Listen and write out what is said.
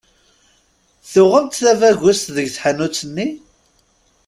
Tuɣem-d tabagust deg tḥanut-nni?